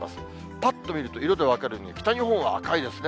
ぱっと見ると、色で分かるように、北のほうは赤いですね。